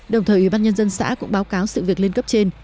đồng thời ủy ban nhân dân xã cũng báo cáo sự việc lên cấp trên